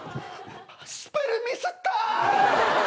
スペルミスった！